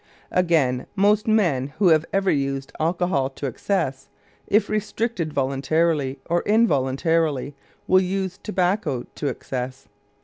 Again, most men who have ever used alcohol to excess, if restricted voluntarily or involuntarily, will use tobacco to excess.